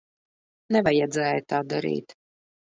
Nevajadzēja tā darīt.